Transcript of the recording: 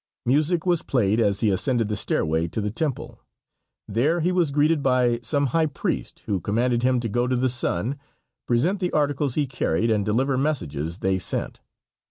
Music was played as he ascended the stairway to the temple. There he was greeted by some high priest, who commanded him to go to the sun, present the articles he carried and deliver messages they sent.